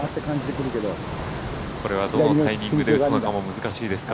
これはどのタイミングで打つのかも難しいですか？